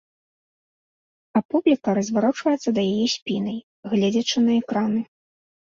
А публіка разварочваецца да яе спінай, гледзячы на экраны.